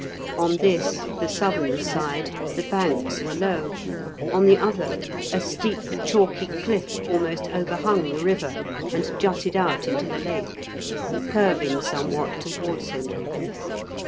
On this, the southern side, the banks were low; on the other, a steep chalky cliff almost overhung the river, and jutted out into the lake, curving somewhat towards him.